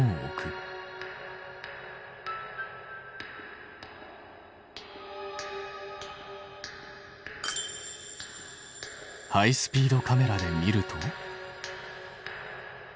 ハイスピードカメラで見ると。